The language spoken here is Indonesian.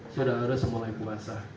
sudah harus dimulai puasa